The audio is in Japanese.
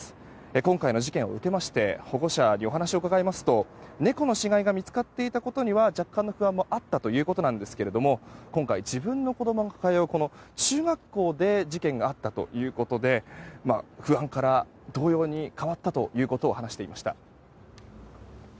今回の事件を受けまして保護者にお話を伺いますと猫の死骸が見つかっていたことには若干の不安もあったということですが今回、自分の子供が通う中学校で事件があったということで不安から動揺に変わったと話していました。